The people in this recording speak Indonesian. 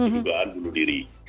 dugaan bunuh diri